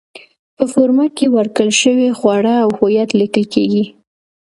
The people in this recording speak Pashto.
په فورمه کې ورکړل شوي خواړه او هویت لیکل کېږي.